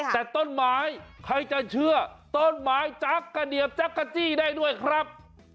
แต่ต้นไม้ใครจะเชื่อต้นไม้จักรกระเดียบจักรจี้ได้ด้วยครับ